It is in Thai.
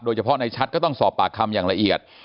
เฉพาะในชัดก็ต้องสอบปากคำอย่างละเอียด